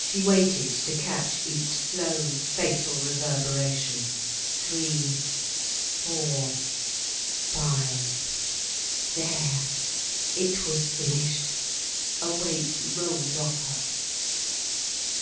She waited to catch each slow, fatal reverberation. "Three—four—five!" There, it was finished. A weight rolled off her.